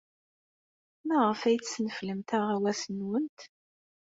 Maɣef ay tesneflemt aɣawas-nwent?